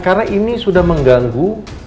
karena ini sudah mengganggu